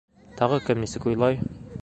— Тағы кем нисек уйлай?